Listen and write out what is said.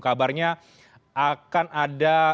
kabarnya akan ada